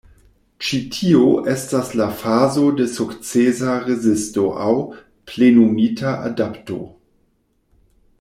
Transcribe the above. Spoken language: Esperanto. Ĉi tio estas la fazo de sukcesa rezisto aŭ „plenumita adapto.